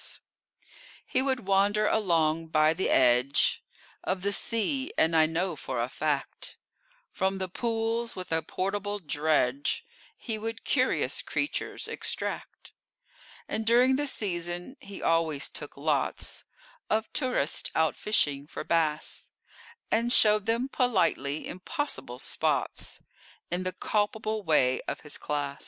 He would wander along by the edge Of the sea, and I know for a fact From the pools with a portable dredge He would curious creatures extract: And, during the season, he always took lots Of tourists out fishing for bass, And showed them politely impossible spots, In the culpable way of his class.